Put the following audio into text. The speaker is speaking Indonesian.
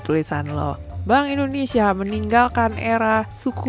udah mulai naik nih